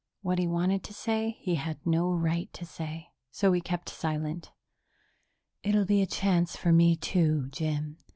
What he wanted to say, he had no right to say, so he kept silent. "It'll be a chance for me, too, Jim.